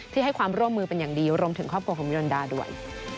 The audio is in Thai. ให้ความร่วมมือเป็นอย่างดีรวมถึงครอบครัวของมิรันดาด้วย